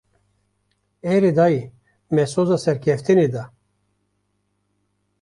Erê dayê, me soza serkeftinê da.